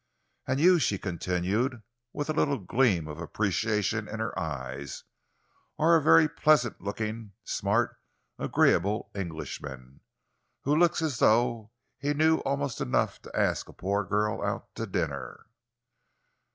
"And you," she continued, with a little gleam of appreciation in her eyes, "are a very pleasant looking, smart, agreeable Englishman, who looks as though he knew almost enough to ask a poor girl out to dinner."